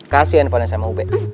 kasih handphone sama ube